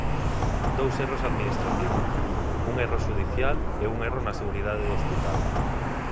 Dous erros administrativos: un erro xudicial e un erro na seguridade do hospital.